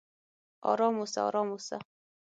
"ارام اوسه! ارام اوسه!"